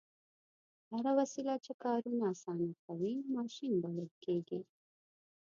هره وسیله چې کارونه اسانه کوي ماشین بلل کیږي.